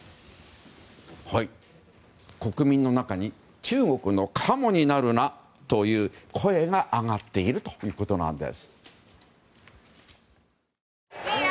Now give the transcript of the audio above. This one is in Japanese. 国民の中に、中国のカモになるなという声が上がっているということなんです。